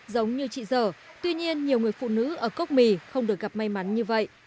giống như chị dở tuy nhiên nhiều người phụ nữ ở cốc mì không được gặp may mắn như vậy